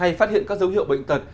hay phát hiện các dấu hiệu bệnh tật